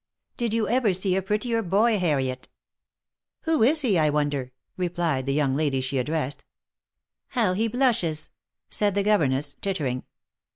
"Did you ever see a prettier boy, Harriet ?"" Who is he, I wonder?" replied the young lady she addressed. " How he blushes !" said the governess, tittering.